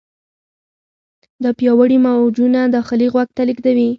دا پیاوړي موجونه داخلي غوږ ته لیږدوي.